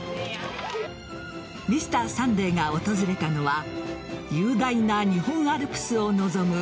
「Ｍｒ．サンデー」が訪れたのは雄大な日本アルプスを望む